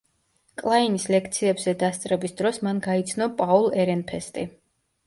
კლაინის ლექციებზე დასწრების დროს მან გაიცნო პაულ ერენფესტი.